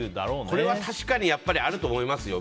これは確かにあると思いますよ。